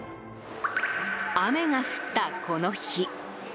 雨が降った、この日。